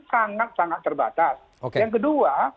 sangat sangat terbatas yang kedua